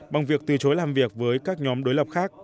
bằng việc từ chối làm việc với các nhóm đối lập khác